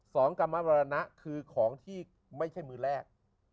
กรรมมรณะคือของที่ไม่ใช่มือแรก